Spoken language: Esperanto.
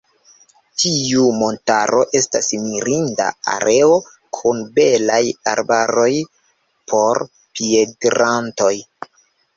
Tiu montaro estas mirinda areo kun belaj arbaroj por piedirantoj.